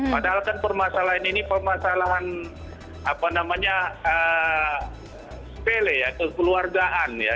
padahal kan permasalahan ini permasalahan apa namanya sepele ya kekeluargaan ya